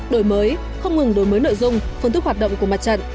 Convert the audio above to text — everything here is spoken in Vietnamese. đổi mới không ngừng đổi mới nội dung phương thức hoạt động của mặt trận